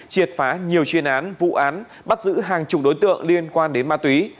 triệt phá nhiều chuyên án vụ án bắt giữ hàng chục đối tượng liên quan đến ma túy